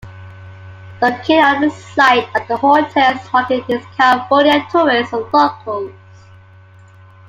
Located on an site, the hotel's market is California tourists and locals.